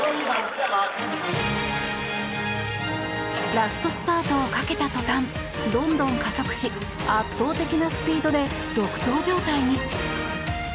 ラストスパートをかけた途端どんどん加速し圧倒的なスピードで独走状態に。